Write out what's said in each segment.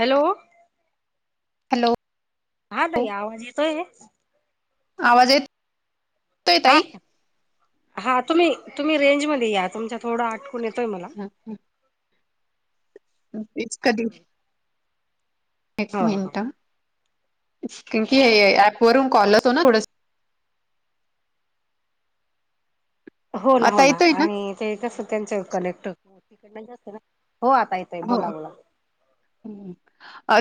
Hello. Hello हा ताई आवाज येतोय. आवाज येते. हा हा तुम्ही तुम्ही रेंज मध्ये या, तुमच्या थोडा आटकून येतोय मला. [unintelligible] तेच कधी एक हो हो मिनटं कि ऍप वरून कॉल येतो ना. थोडस हो ना हो आता ना येतोय आणि ते कसं त्याचं कलेक्ट तिकडणं जास्त ना, हो आहे. हो हो.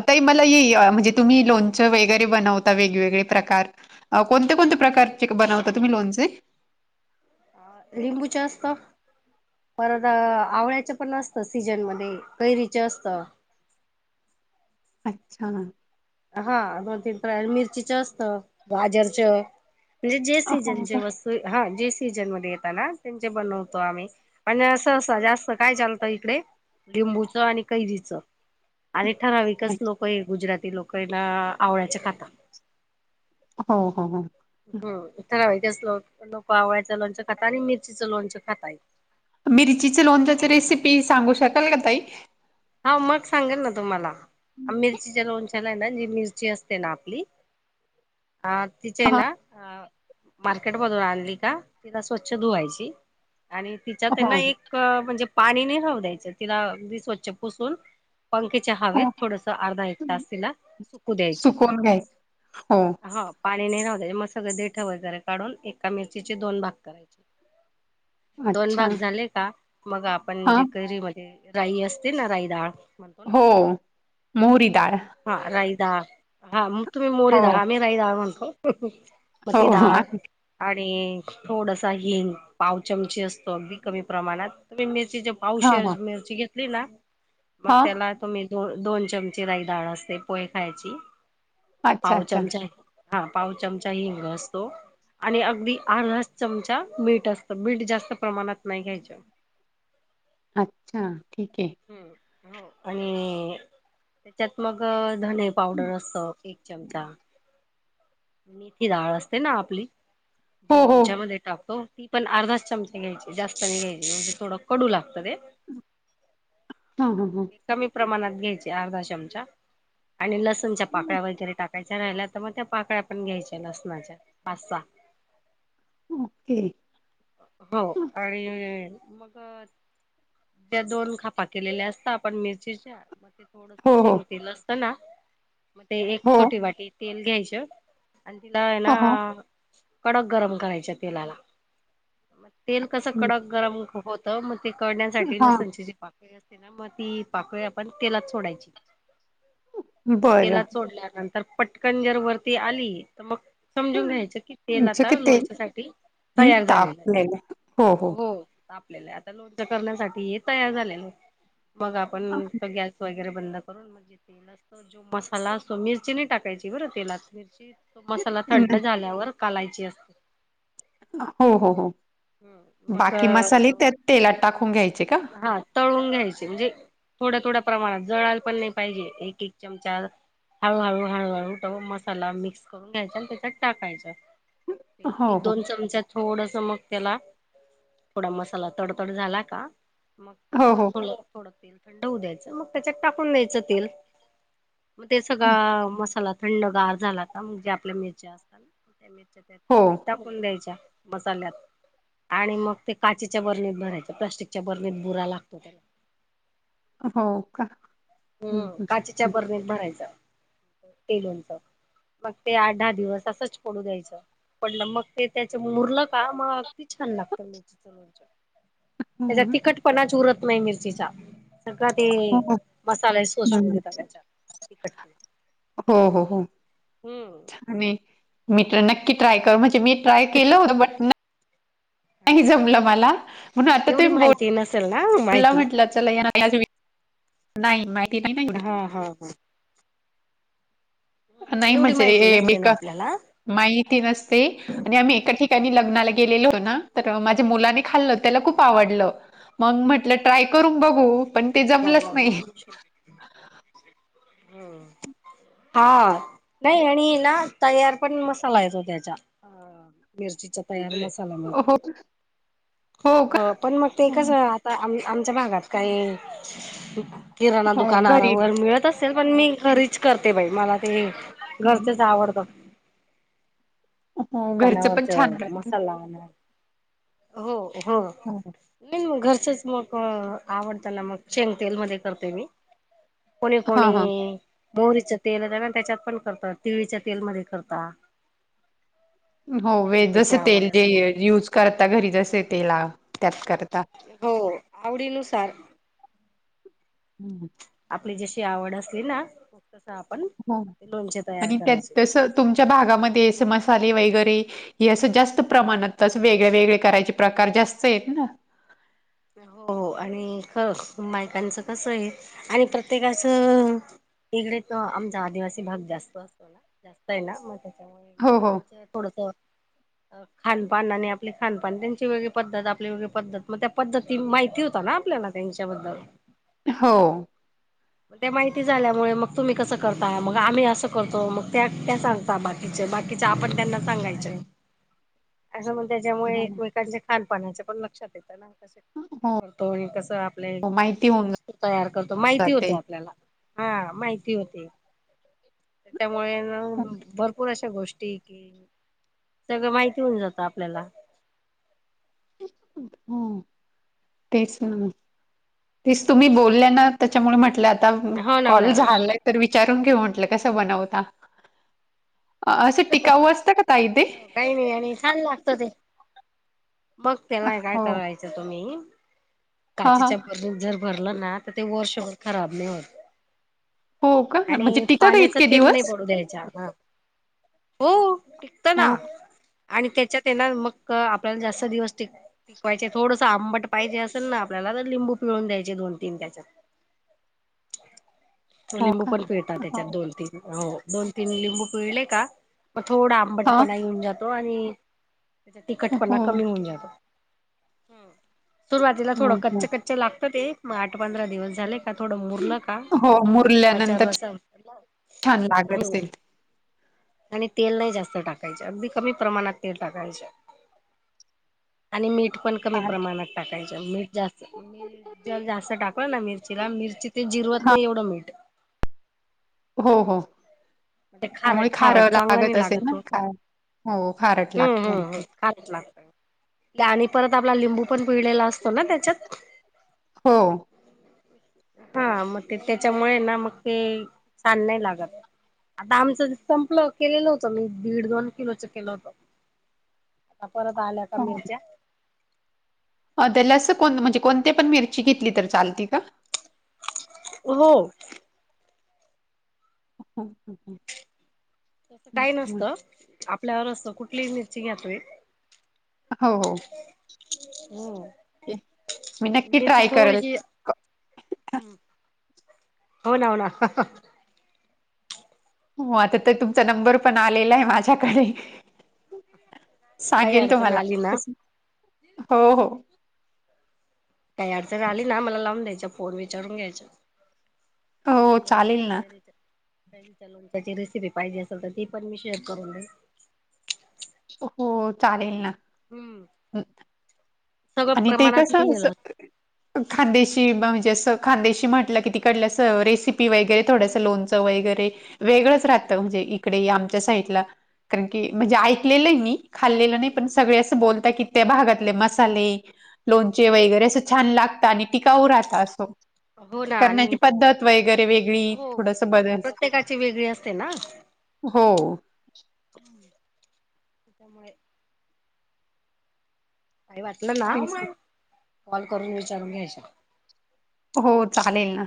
ताई मला ये म्हणजे तुम्ही लोणचं वगैरे बनवता वेगवेगळे प्रकार. आव कोणतेकोणते प्रकारचे बनवता, तुम्ही लोणचे. अ लिंबूचे असतं. परत आवळ्याचं पण असतं सीजनमध्ये, कैरीच असत. अच्छा. हा दोन तीन प्रकार मिरचीच असतं, गाजरच म्हणजे जे हो सीजनचे हा जे सीझनमध्येध् येत ना त्यांचे बनवतो आम्ही. आणि असं-असं जास्त काय चालतं इकडे लिंबूचं आणि कैरीच. आणि ठराविकच का लोक हे गुजराती लोक यना आवळ्याच खातात. हो- हो. हम ठराविक कस लोक आवळ्याचं लोणच खातात, आणि मिरचीचं लोणच खातात. मिरचीचे लोणच्याची रेसिपी सांगू शकाल का ताई. हाव मग सांगेल ना तुम्हाला, मिरचीच्या लोणच्या त्येला य ना मिरची असते ना आपली, हा ह तिचेयना अ मार्केटमधून आणली का तिला स्वच्छ धुवायची. आणि तिच्यात हो येना एक म्हणजे पाणी नाही राहू द्यायचं, तिला अगदी स्वच्छ पुसून पंखेच्या हवेत हो थोडस अर्धा एक तास तिला सुकू द्यायचं. सुकवून घ्यायच. हो. हा पाणी नाही राहू द्यायच, मग सगळं देठ वैगेरे काढून एका मिरचीचे दोन भाग करायचे. दोन अच्छा भाग झाले का, मग आपण हा जे करीमध्ये राई असत तिना राईडाळ. हो मोहरीडाळ. हा राई डाळ, हा मग तुम्ही मोहरी हो, डाळ आम्ही राई डाळ म्हणतो. मग हो, ती हो, डाळ आहे. आणि थोडसा हिंग पाव चमची असतो अगदी कमी प्रमाणात. तेही मिर्चीच्या हो, हो, पावशेर मिरची घेतली ना मग हा त्याला तुम्ही दोन-दोन चमचे राई डाळ असते, पोहे खायची अच्छा, पाव अच्छा, चमचा हा पाव चमचा हिंग असतो. आणि अगदी अर्धाच चमचा मीठ असत, मीठ जास्त प्रमाणात नाही घ्यायच. अच्छा ठीक आहे. हं, हो आणि त्याच्यात मग धने पावडर असत. एक चमचा मेथी डाळ असते ना आपली हो, जी हो, लोणच्यामध्ये टाकतो ती. पण अर्धाच चमच्या घ्यायचे जास्त नाही घ्यायचे म्हणजे थोडं कडू लागतं ते. हा ह हा. कमी प्रमाणात घ्यायचे अर्धा चमचा. आणि लसणच्या पाकळ्या वगैरे टाकायच्या राहिल्या तर मग त्या पाकळ्या पण घ्यायच्या लसणाच्या. पाच सहा ओके. हो आणि मग. त्या दोन खापा केलेल्या असतात आपण मिरचीच्या मग ते थोडस हो, शेंग तेल असत ना. मग [unintelligible] ते एक हो, छोटी वाटी तेल घ्यायच आणि तिला आहे हो, हो. ना. कडक गरम करायच तेलाला मग तेल कसं हं. कडक गरम होत. तर मग ते कळण्यासाठी हा लसणची जी पाकळी असते ना मग ती पाकळी आपण तेलात सोडायची. बरं. तेलात सोडल्यानंतर पटकन जर वरती आली तर मग समजून घ्यायचं कि तेल म्हणजे कि आता ते लोणच्यासाठी. तयार झालेलं आहे हो. आपल्याला आता लोणच करण्यासाठी हे तयार झालेलं आहे मग आपण गॅस [inaudible] वगैरे बंद करून म्हणजे तेल असतो जो मसाला असतो मिरची नाही टाकायची बर तेलात मिरची. मसाला थंड झाल्यावर कालायची असते. हो हो हो हम्म बाकी मग मसाले तो त्यात तेलात टाकून घ्यायचे का. हा तळून घ्यायचे म्हणजे थोड्या थोड्या प्रमाणात जळाल पण नाही पाहिजे एक एक चमचा हळूहळू हळूहळू मसाला मिक्स करून घ्यायचा आणि त्याच्यात टाकायच. हो, एक हो, दोन चमच्यात थोडस मग त्याला थोडा मसाला तडतड झाला का मग हो, हो, थोड थोडं तेल थंड होऊ द्यायचं मग त्याच्यात टाकून द्यायचं तेल. मग ते सगळा हं. मसाला थंड गार झाला का जे आपल्या मिरच्या असतात ना त्या मिरच्या त्या. होा. टाकून द्यायच्या मसाल्यात आणि मग ते काचेच्या बरणीत भरायच्या प्लास्टिक. त्याच्या बरणीत बुरा लागतो. हो का. हं, हम्म हं, काचेच्या हं. बरणीत भरायच ते लोणचं मग ते आठ दहा दिवस असंच पडू द्यायचं. पण नमक ते त्याच मुरलं का मला अगदी छान लागतं मिचीचण. हो, [unintelligible] त्याचा तिखटपणाच उरत नाही मिरचीचा सगळ ते. हो, हो, मसाले शोषून घेतात. हो हो हो. हम्म मी मी तर नक्की हा ट्राय कर म्हणते मी ट्राय केलं होत बट. नाही हा जमलं मला म्हणून आता ते एवढी माहिती नसेल ना बोलला [unintelligible] माहिती म्हटलं. चला नाज [unintelligible] नाही माहिती नाही ए. हा हा हा. नाही एवढी माहिती म्हणजे मी नसते ना [unintelligible] आपल्याला माहिती नसते आणि आम्ही एका ठिकाणी लग्नाला. केलेलं होतं माझ्या मुलाने खाल्लं त्याला खूप आवडलं मग [unintelligible] म्हटलं आपण ट्राय करून बघू, पण ते जमलंच नाही. हा नाही आणि ना तयार पण मसाला येतो त्याचा. मिरचीचा तयार मसाला मिळत. हो हो का पण मग ते कस. पाय आम आमच्या भागात काही किराणा हो दुकानहार घरी वगैरे मिळते मिळते पण मी घरीच करते बाई मला ते घरचेच आवडतात हो घरचं पण दुकानावरच छान राहत मसाला आणा. हो हो हा हा नाही घरचच मग आवडतं ना मग शेंग तेल मध्ये करते मी. कोणी हा कोणी हा मोहरीच तेल हायना त्याच्यात पण करत तिळीच्या तेलमध्ये करतात हो व्हय जस त्याची तेल आवड जे असेल यूज करता घरी जसे तेल त्यात करता हो आवडी नुसार हम. हम आपली जशी आवड असली ना तस आपण हो लोणचे तयार आणि त्यात करायचे. तसं तुमच्या भागामध्ये असे मसाले वगैरे. हे असं जास्त प्रमाणात असं वेगळे वेगळे करायचे प्रकार जास्त आहेते ना. हो हो आणि ख बायकांचं कस आहे आणि प्रत्येकाचं. इकडे त आमचा आदिवासी भाग जास्त असतो ना जास्त आहे ना म ते हो हो. थोडस खानपान आणि आपले खानपान त्यांची वेगळी पद्धत आपली वेगळी पद्धत म त्या पद्धती माहिती होता ना आपल्याला त्यांच्याबद्दल हो. म त्या माहिती झाल्यामुळे मग तुम्ही कसं करता मग आम्ही असं करतो मग त्या त्या सांगता बाकी बाकीच आपण त्यांना सांगायचं [inaudible] असं मग त्याच्यामुळे हो एकमेकांच्या खान पानाच पण लक्षात येत ना. कसे करतो. आणि कसं आपले हो माहिती होऊन वस्तू तयार करतो माहिती होते जाते. आपल्याला. हा माहिती होती त्यामुळे ना भरपूर आशा आशा गोष्टी सगळं माहिती होऊन जातं आपल्याला. [inaudible] तेच ना तेच तुम्ही बोलल्या ना. त्याच्यामुळे म्हंटलं आता हो ना हो कॉल ना हो ना झालाय तर तर विचारून घेऊ म्हटलं कस बनवता आस टिकाव असतं का ताई ते. हो काही नाही आणि छान लागत ते. मग तेव्हा काय हो करायचं तुम्ही. हा हा काचेच्या भरणीत जर भरलं ना त ते वर्षभर खराब नाही होत. हो का म्हणजे आणि टिकतं का पाण्याचा इतके थेब नाही दिवस? पडू द्यायच्या. हा हो टिकत हो ना. आणि त्याच्यात हाय मग आपल्याला जास्त दिवस टिक टिकवायचे थोडसं आंबट पाहिजे असल असल ना आपल्याला तर लिंबू पिळून द्यायचे दोन तीन त्याच्यात. हो लिंबू पण पिळता त्याच्यात हा दोन तीन हो दोन तीन लिंबू पिळले का म थोडं आंबट आंबटपणा येऊन जातो आणि त्याचा हो हो तिखटपणा कमी होऊन जातो. हम. सुरुवातीला थोडं हो. कच्च कच्च लागत ते मग आठ पंधरा दिवस झाले. की थोडं मुरलं का हो, म लिंबाच्या मुरल्यानंतर रसा छान लागत असेल. [inaudible] आणि तेल नाही जास्त टाकायच अगदी कमी प्रमाणात तेल टाकायच. आणि मीठ पण कमी प्रमाणात टाकायचे मीठ जास्ती [inaudible] मीठ जर जास्ती जास्त टाकलं ना मिरचीला मिरची ते जिरवत हा नाही एवढं मीठ. हो हो. हम्म. ते त्यामुळे खारट खार खारट चांगला लागत नाही असेल ना मग खार. हो खारट लागत ते आतला ते आणि परत आपला लिंबू पण पिळलेला असतो ना त्याच्यात. हो. हा मग ते त्याच्यामुळे ना, मग ते छान नाई लागत. आता आमचं संपलं, केलेलं होतं मी, दीड दोन किलोचं केलं होतं. आता परत आल्या का मिरच्या? अं त्याला असं कोण, म्हणजे कोणते पण मिरची घेतली तर चालती का? अं हो. [inaudible] तसं काई तेच मग. नसतं, आपल्यावर असतं, कुठलीही मिरची घ्या तुम्ही. अं, हो. हो, ओके. मी नक्की मिची ट्राय करेल. थोडीशी क हं, होना, होना. हो, आता तर तुमचा नंबर पण आलेला ए माझ्याकडे. काही सांगेल अडचण तुम्हाला, आली ना कसं, हो हो. काई अडचण आली ना, मला लावून द्यायचा फोन, विचारून घ्यायचं. तुम्हाला हो लो चालेल ना. कैरीचं कैरीच्या लोणच्याची रेसिपी पाहिजे असल तर, ती पण मी शेअर करून देईल. हो, चालेल ना. हम्म. सगळं आणि ते प्रमाणात कसं असं? लिहिलेलं खान्देशी बा म्हणजे असं, खांदेशी म्हटलं की तिकडलं असं रेसिपी वगैरे, थोडसं लोण -चं वगैरे वेगळंच राहतं म्हणजे इकडे आमच्या साईटला. कारण की, म्हणजे ऐकलेलं ए मी. खाल्लेलं नाई. पण सगळे अस बोलता की त्या भागातले मसाले, लोणचे वगैरे असं छान लागता आणि टीकाऊ राहता असं. असतं. हो ना आणि करण्याची पद्धत वगैरे वेगळी, हो थोडसं बदल. प्रत्येकाची वेगळी असते ना हो. [inaudible] त्यामुळे काई वाटलं ना, [unintelligible] कॉल करून विचारून घ्यायचं हो, चालेल ना,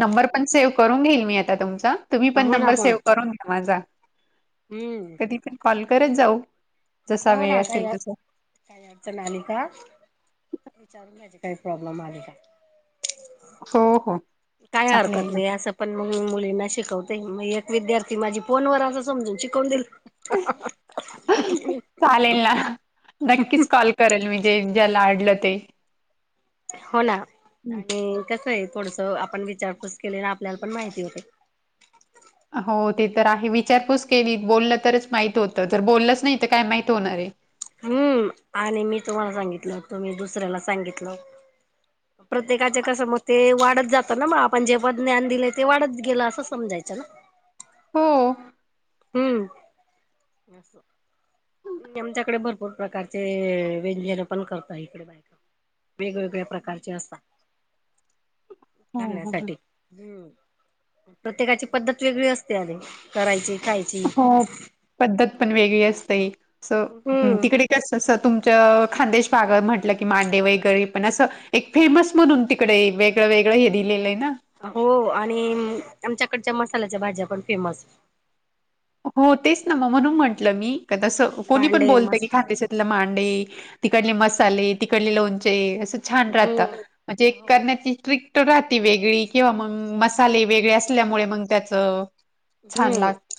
नंबर पण सेव करून घेईल मी आता तुमचा तुम्ही पण हो ना नंबर हो ना सेव करून घ्या माझा, हम्म कधी पण कॉल करत जाऊ जसा हो वेळ ना, काई असेल तसा काई अडचण आली का, विचारून घ्यायचे काई प्रॉब्लेम आले का हो हो काय चालेल हरकत ना नई असं - पण मग मुलींना शिकवते. मग एक विद्यार्थी माझी फोन वर असं समजून शिकवून दिलं चालेल ना, नक्कीच कॉल करल मी ते ज्याला अडलं ते. हो ना, आणि कसं ए, थोडसं आपण विचारपूस केली ना आपल्याला पण माहिती होते. हो, ते तर आहे. विचारपूस केली, बोललं तरच माहित होतं. जर बोललंच नाही तर काय माहित होणार ए? हम्म, आणि मी तुम्हाला सागितलं तुम्ही दुसऱ्याला सागितलं [inaudible] प्रत्येकाचे कसं मग ते, वाढत जातं ना, म आपण जे पण ज्ञान दिलंय ते वाढत गेलं असं समजायचं ना हो. हम्म [inaudible] असं. आमच्याकडे भरपूर प्रकारचे, व्यंजनं पण करता इकडं बायका. वेगवेगळ्या प्रकारचे असता, हो हो खाण्यासाठी हम्म प्रत्येकाची पद्धत वेगळी असते अरे करायची खायची. हो पद्धत पण वेगळी असते असं हम्म तिकडे कसं तु मच खान्देश पागळ म्हटलं की मांडे वगैरे पण असं एक फेमस म्हणून तिकडे वेगळं वेगळं हे दिलेलं येना. हो आणि आमच्याकडच्या मसाल्याच्या भाज्या पण फेमस. हो तेच ना मग म्हणून म्हटलं मी हम्म का तसं कोणी पण मांडे बोलत की मस्त खान्देशात ल मांडे तिकडले मसाले तिकडले लोणचे असं छान राहतं. म्हणजे हम्म हो करण्याची ट्रिक राहती वेगळी किंवा मग मसाले वेगळे असल्यामुळे मग त्याच, छान लाग हम्म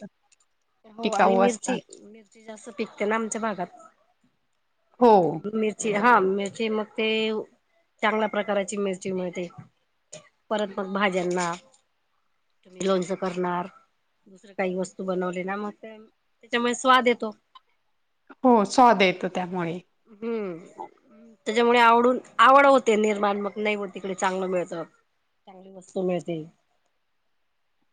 हो आणि मिरची मिरची जास्त पिकते ना आमच्या भागात. हो मिरची हा मिरची मग ते, चांगल्या प्रकाराची मिरची मिळते. परत मग भाज्यांना, तुम्ही लोणच करणार दुसरे काही वस्तू बनवले. त्याच्यामुळे स्वाद येतो. हो स्वाद येतो त्यामुळे. हम्म त्याच्यामुळे आवडून आवड होते निर्माण मग नाही हो तिकडे चांगलं मिळत. चांगली वस्तू मिळते.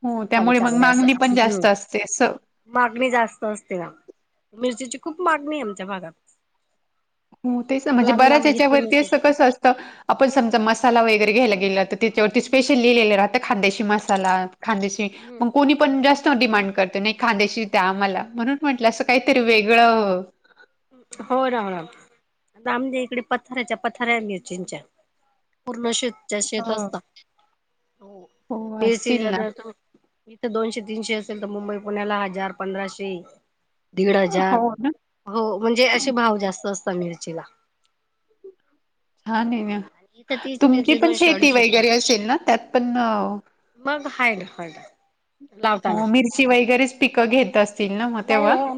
हो मसाले त्यामुळे मग चांगले मागणी पण असं जास्त असते असं. मागणी जास्त असते ना, मिरचीची खूप मागणी ये आमच्या भागात. हो तेच ना खूप म्हणजे लांब बऱ्याच लांब घेतली याच्यावरती मिरची असं कसं अस त आपण समजा मसाला वगैरे घ्यायला गेलं तर त्याच्यावरती स्पेशल लिहिलेलं राहतं खांन्देशी मसाला खांन्देशी मग कोणी पण जास्त डिमांड करतो नाही खांन्देशी त्या आम्हाला म्हणून म्हंटलं असं काहीतरी वेगळं. हो राहु राहु आता आमच्या इकडे पथाराच्या पथाऱ्या येत मिरचींच्या. पूर्ण स्वच्छ शेत हो. असत, हो असतील ना [unintelligible] इथ दोनशे तीनशे असेल तर मुंबई पुण्याला हजार पंधराशे, दीड हजार. हो ना हो म्हणजे अशे भाव जास्त असतात मिरचीला. हा नाही ना, आणि इथं तीच तुमची मिरची पण दोनशे शेती अडीचशे रुपये वगैरे असेल ना त्यात पण, मग हाय ना हाय ना. लावताना अं मिरची वगैरेच पिक घेत असतील ना मग नाही तेव्हा? हो